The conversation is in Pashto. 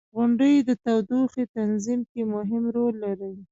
• غونډۍ د تودوخې تنظیم کې مهم رول لري.